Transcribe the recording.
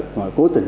ngoài cố tình